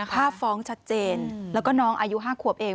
ฟ้องชัดเจนแล้วก็น้องอายุ๕ขวบเอง